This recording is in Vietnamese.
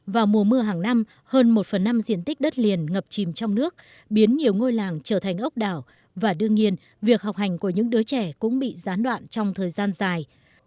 vào mùa mưa hàng năm hơn một phần năm diện tích đất liền ngập chìm trong nước biến nhiều ngôi làng trở thành ốc đảo và đương nhiên việc học hành của những đứa trẻ cũng bị gián đoạn trong thời gian dài